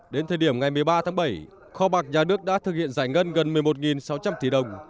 đến thời điểm ngày một mươi ba tháng bảy kho bạc nhà nước đã thực hiện giải ngân gần một mươi một sáu trăm linh tỷ đồng